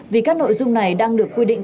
vì các nội dung này đang được quy định